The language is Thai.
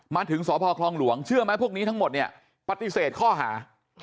มาถึงสพคลองหลวงเชื่อไหมพวกนี้ทั้งหมดเนี่ยปฏิเสธข้อหา